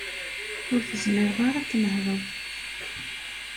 Ur tezmireḍ ara ad tnehṛeḍ.